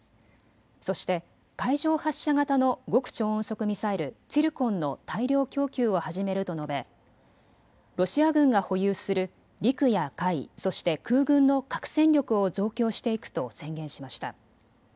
そして海上発射型の極超音速ミサイル、ツィルコンの大量供給を始めると述べロシア軍が保有する陸や海、そして空軍の核戦力を増強していくと宣言しました。